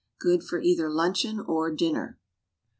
Good for either luncheon or dinner.